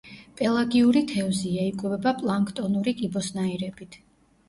პელაგიური თევზია; იკვებება პლანქტონური კიბოსნაირებით.